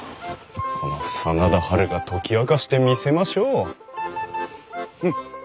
この真田ハルが解き明かしてみせましょう。